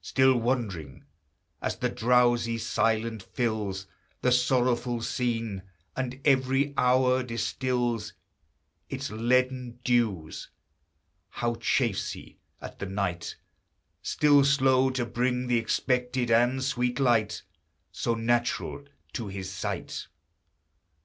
Still wondering as the drowsy silence fills The sorrowful scene, and every hour distils Its leaden dews. How chafes he at the night, Still slow to bring the expected and sweet light, So natural to his sight!